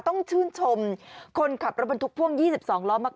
ต้องชื่นชมคนขับรถบรรทุกพ่วง๒๒ล้อมาก